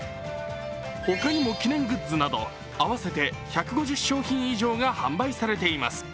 他にも記念グッズなど合わせて１５０商品以上が販売されています。